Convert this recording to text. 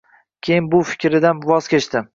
Keyin bu fikridan voz kechdi.